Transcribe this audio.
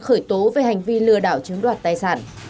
khởi tố về hành vi lừa đảo chiếm đoạt tài sản